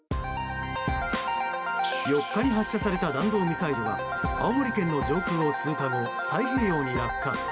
４日に発射された弾道ミサイルは青森県の上空を通過後太平洋に落下。